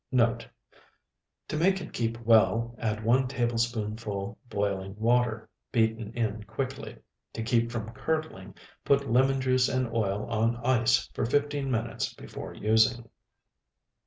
Note. To make it keep well, add one tablespoonful boiling water, beaten in quickly. To keep from curdling, put lemon juice and oil on ice for fifteen minutes before using.